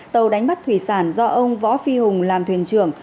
tàu đánh bắt thủy sản do ông võ phi hùng làm thuyền trưởng